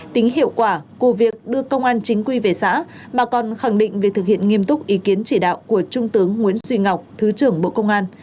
tính hiệu quả của việc đưa công an chính quy về xã mà còn khẳng định việc thực hiện nghiêm túc ý kiến chỉ đạo của trung tướng nguyễn duy ngọc thứ trưởng bộ công an